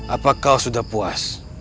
apakah kau sudah puas